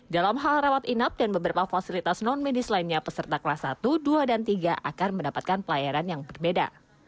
dalam hal rawat inap dan beberapa fasilitas non medis lainnya peserta kelas satu dua dan tiga akan mendapatkan pelayaran yang berbeda